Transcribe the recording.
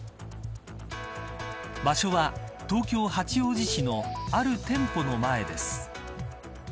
場所は、東京八王子市のある店舗の前です。